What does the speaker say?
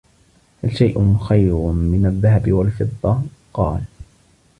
هَلْ شَيْءٌ خَيْرٌ مِنْ الذَّهَبِ وَالْفِضَّةِ ؟ قَالَ